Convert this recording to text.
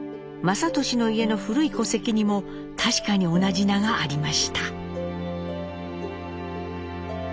雅俊の家の古い戸籍にも確かに同じ名がありました。